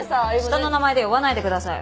下の名前で呼ばないでください。